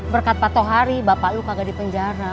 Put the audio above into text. berkat pak tohari bapak lu kagak dipenjara